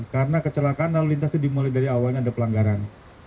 karena kecelakaan lalu lintas itu dimulai dari awalnya ada pelanggaran